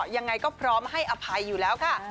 ยังไงก็พร้อมให้อภัยอยู่แล้วค่ะ